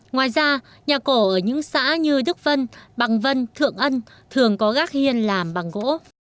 ngoài ra nhà cổ ở những xã như đức vân bằng vân thượng ân thường có gác hiên làm bằng gỗ